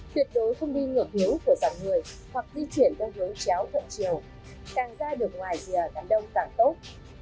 tuyệt đối không đi ngược hướng của dòng người hoặc di chuyển theo hướng chéo cận chiều càng ra được ngoài dìa đám đông càng tốt